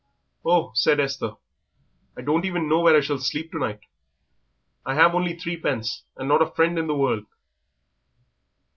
"Oh," said Esther, "I don't even know where I shall sleep tonight. I have only threepence, and not a friend in the world."